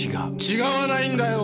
違わないんだよ！